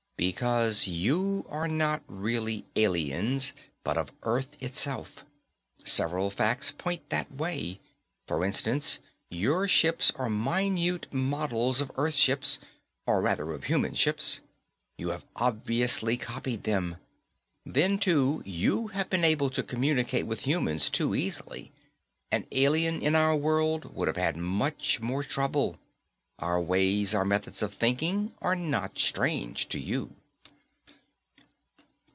"Because you are not really 'aliens,' but of Earth itself. Several facts point that way. For instance, your ships are minute models of Earth ships, or, rather, of human ships. You have obviously copied them. Then, too, you have been able to communicate with humans too easily. An alien to our world would have had much more trouble. Our ways, our methods of thinking, are not strange to you."